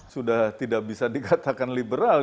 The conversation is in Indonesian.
sudah tidak bisa dikatakan liberal